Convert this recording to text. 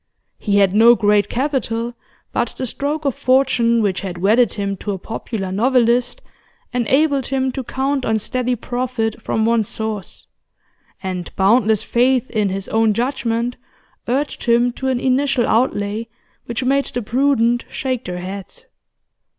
He had no great capital, but the stroke of fortune which had wedded him to a popular novelist enabled him to count on steady profit from one source, and boundless faith in his own judgment urged him to an initial outlay which made the prudent shake their heads.